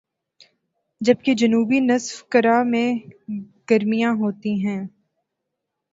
جبکہ جنوبی نصف کرہ میں گرمیاں ہوتی ہیں